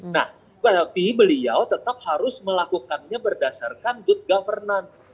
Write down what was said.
nah tapi beliau tetap harus melakukannya berdasarkan good governance